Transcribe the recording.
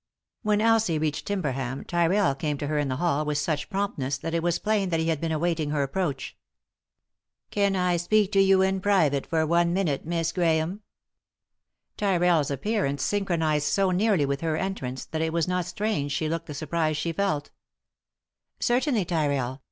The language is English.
When Elsie reached Timberham, Tyrrell came to her in the hall with such promptness that it was plain that he had been awaiting her approach. "Can I speak to you in private for one minute, Miss Grahame ?" Tyrrell's appearance synchronised so nearly with her entrance that it was not strange she looked the surprise she felt " Certainly, Tyrrell.